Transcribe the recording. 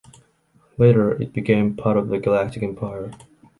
Later it became part of the Galactic Empire.